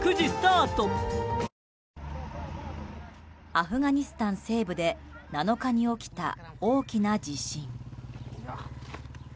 アフガニスタン西部で７日に起きた大きな地震。